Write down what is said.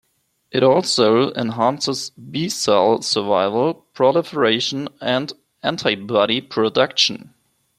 It also enhances B cell survival, proliferation, and antibody production.